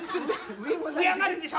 上上がるんでしょ？